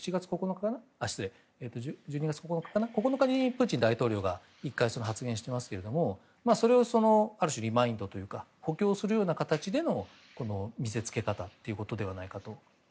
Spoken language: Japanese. １２月９日にプーチン大統領が１回発言してますけどそれをある種リマインドというか補強するような形での見せつけ方ではないかと。